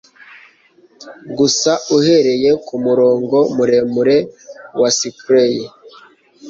Gusa uhereye kumurongo muremure wa spray